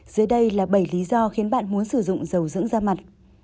dưới đây là bảy lý do khiến bạn muốn sử dụng dầu dưỡng da mặt